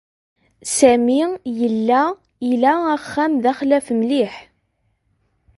Sami yella ila axxam d axlaf mliḥ.